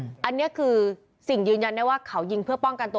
อันนี้คือสิ่งยืนยันได้ว่าเขายิงเพื่อป้องกันตัว